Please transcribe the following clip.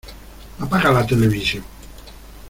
¡Apaga la televisión!